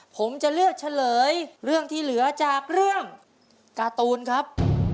ผมจะเลือกเฉลยเรื่องที่เหลือจากเรื่องการ์ตูนครับ